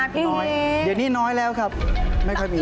เดี๋ยวนี้น้อยแล้วครับไม่ค่อยมี